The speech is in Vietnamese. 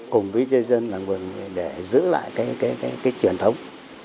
cùng với dân làng bừng để giữ lại cái truyền thống